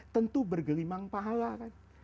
tentu bergelimang pahala kan